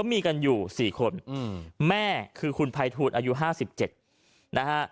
มีกันอยู่สี่คนอืมแม่คือคุณพัยทูตอายุห้าสิบเจ็ดนะฮะ